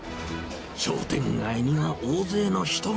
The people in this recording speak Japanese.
商店街には大勢の人が。